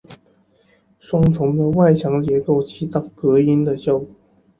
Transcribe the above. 双层的外墙结构起到隔音的效果。